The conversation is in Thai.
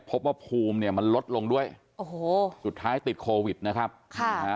พบว่าภูมิเนี่ยมันลดลงด้วยโอ้โหสุดท้ายติดโควิดนะครับค่ะ